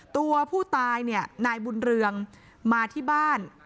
ตัวผู้ตายเนี่ยนายบุญเรืองมาที่บ้าน